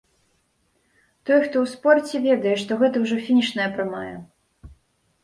Той, хто ў спорце, ведае, што гэта ўжо фінішная прамая.